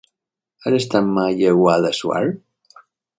Has estat mai a Guadassuar?